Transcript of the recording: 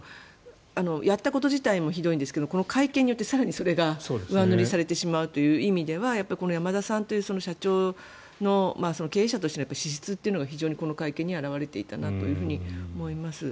やったこと自体もひどいんですけどこの会見によって更にそれが上塗りされてしまうという意味ではこの山田さんという社長の経営者としての資質が非常にこの会見に表れていたなと思います。